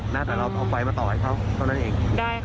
สามารถเรามันต่๋อหาเขาเท่านั้นเอง